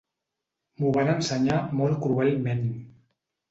M'ho van ensenyar molt cruelment.